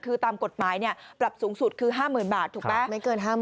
คือตามกฎหมายปรับสูงสุดคือ๕๐๐๐บาทถูกไหม